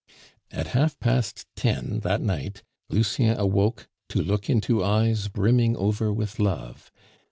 At half past ten that night Lucien awoke to look into eyes brimming over with love.